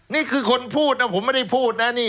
นี่คือคนพูดนะผมไม่ได้พูดนะนี่